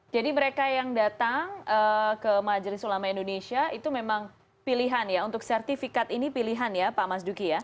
jadi mereka yang datang ke majelis ulama indonesia itu memang pilihan ya untuk sertifikat ini pilihan ya pak mas duki ya